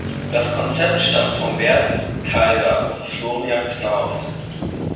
Das Konzept stammt von Bert Kaeser und Florian Knauß.